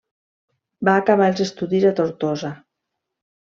Va acabar els estudis a Tortosa.